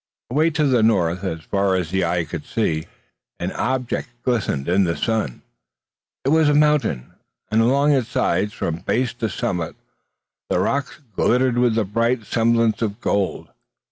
Away to the north, and as far as the eye could see, an object glistened in the sun. It was a mountain, and along its sides, from base to summit, the rocks glittered with the bright semblance of gold!